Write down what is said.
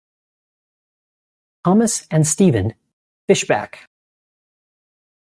Thomas and Stephen Fishbach.